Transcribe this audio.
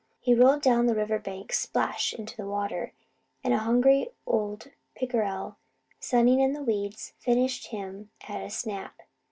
He rolled down the river bank, splash! into the water; and a hungry old pickerel, sunning in the weeds, finished him at a snap.